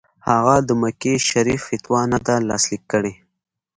هغه د مکې شریف فتوا نه ده لاسلیک کړې.